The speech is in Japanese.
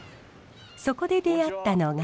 そこで出会ったのが。